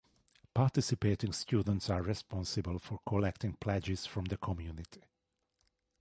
Participating students are responsible for collecting pledges from the community.